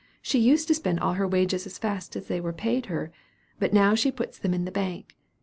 She used to spend all her wages as fast as they were paid her, but now she puts them in the bank.